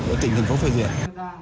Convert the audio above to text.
ở tỉnh thành phố phê duyện